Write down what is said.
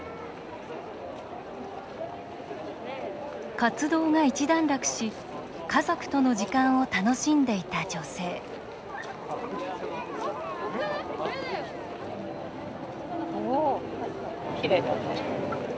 活動が一段落し、家族との時間を楽しんでいた女性きれいだね。